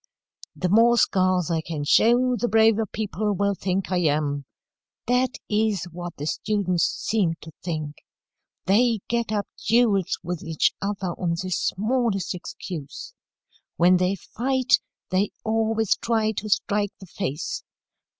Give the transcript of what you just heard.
"'The more scars I can show, the braver people will think I am.' That is what the students seem to think. They get up duels with each other on the smallest excuse. When they fight, they always try to strike the face.